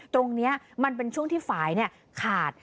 ตรงนี้มันเป็นช่วงที่ฝ่ายขาด